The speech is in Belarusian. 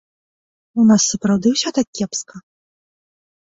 У нас сапраўды ўсё так кепска?